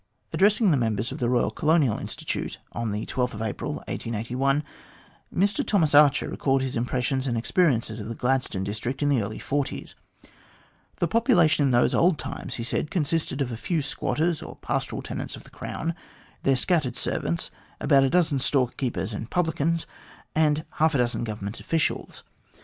Addressing the members of the Royal Colonial Institute on April 12, 1881, Mr Thomas Archer recalled his impressions and experiences of the Gladstone district in the early forties. The population in those old times, he said, consisted of a few squatters or pastoral tenants of the Crown, their scattered servants, about a dozen store keepers and publicans, and half a dozen Government officials.